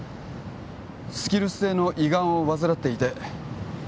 スキルス性の胃がんを患っていて